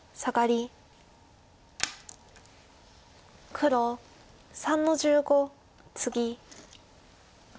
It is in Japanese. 黒３の十五ツギ。